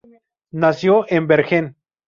Nació en Bergen.